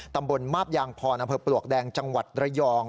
ตำบลมาบยางพรอำเภอปลวกแดงจังหวัดระยอง